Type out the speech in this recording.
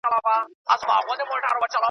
پلرونو یې په وینو رنګولي ول هډونه .